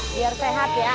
biar sehat ya